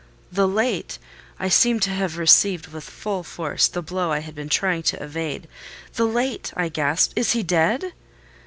The late! I seem to have received, with full force, the blow I had been trying to evade. "The late!" I gasped. "Is he dead?"